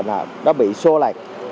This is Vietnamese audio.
nó bị sô lạc